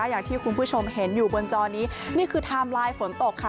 อย่างที่คุณผู้ชมเห็นอยู่บนจอนี้นี่คือไทม์ไลน์ฝนตกค่ะ